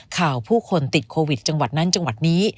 ข่าวผู้คนติดโควิดจังหวัดนั้นจังหวัดนี้